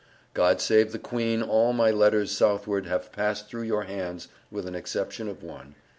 God Save the Queen. All my letters Southward have passed through your hands with an exception of one.